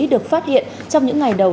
được phát hiện trong những ngày đầu